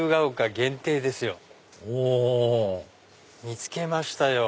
見つけましたよ。